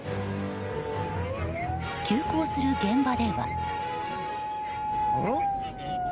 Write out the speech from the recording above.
急行する現場では。